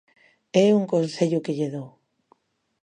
É un consello que lle dou.